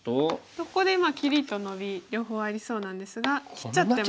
ここで切りとノビ両方ありそうなんですが切っちゃっても。